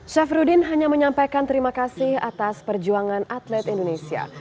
syafruddin hanya menyampaikan terima kasih atas perjuangan atlet indonesia